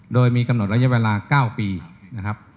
โดยมีกำหนดระยะเวลา๙ปีนะครับ